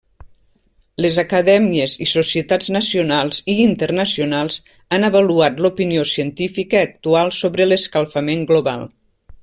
Les acadèmies i societats nacionals i internacionals han avaluat l'opinió científica actual sobre l'escalfament global.